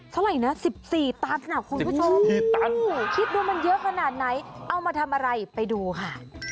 เท่าไหร่นะ๑๔ตันนะคุณผู้ชมคิดดูมันเยอะขนาดไหนเอามาทำอะไรไปดูค่ะ